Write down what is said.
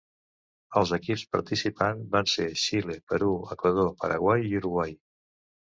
Els equips participants van ser Xile, Perú, Equador, Paraguai i Uruguai.